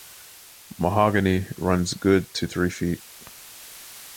Mahogany runs good to three feet.